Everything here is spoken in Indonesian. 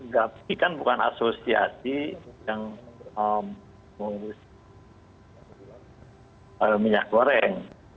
gapki kan bukan asosiasi yang mengurusi minyak goreng